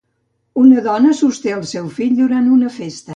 Una dona sosté el seu fill durant una festa